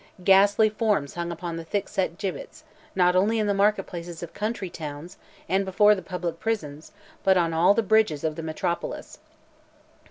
Ghastly forms hung upon the thick set gibbets, not only in the market places of country towns, and before the public prisons, but on all the bridges of the metropolis.